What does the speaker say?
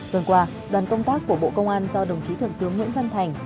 tuần qua đoàn công tác của bộ công an do đồng chí thượng tướng nguyễn văn thành